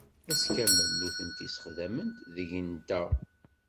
Ass kamel nutenti ssexdament deg-nteɣ.